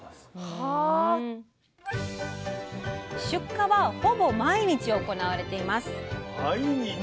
出荷はほぼ毎日行われています